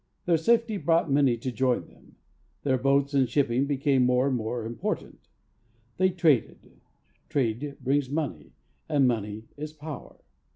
Their safety brought many to join them. Their boats a.id shipping became more and more important. 5S SWITZERLAND. They traded; trade brings money, and money is power.